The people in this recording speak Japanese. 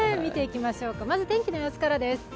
まず、天気の様子からです。